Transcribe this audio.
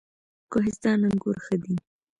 کوهستان انګور ښه دي؟